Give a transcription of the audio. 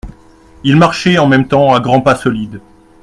Il marchait en même temps à grands pas solides.